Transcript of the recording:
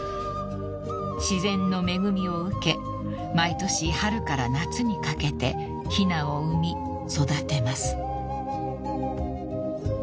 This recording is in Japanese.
［自然の恵みを受け毎年春から夏にかけてひなを産み育てます］